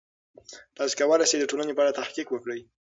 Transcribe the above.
تاسې کولای سئ د ټولنې په اړه تحقیق وکړئ.